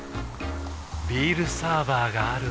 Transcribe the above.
ビールサーバーがある夏。